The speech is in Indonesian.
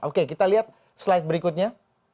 oke kita lihat slide berikutnya